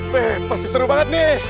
weh pasti seru banget nih